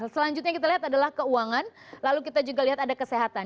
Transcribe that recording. selanjutnya kita lihat adalah keuangan lalu kita juga lihat ada kesehatan